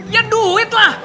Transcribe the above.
ya duit lah